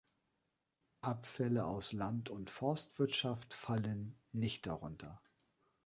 Abfälle aus Land- und Forstwirtschaft fallen nicht darunter.